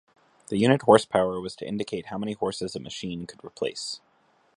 The unit horsepower was to indicate how many horses a machine could replace.